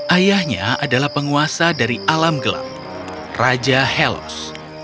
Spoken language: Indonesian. ayahnya adalah penguasa dari alam gelap raja hellos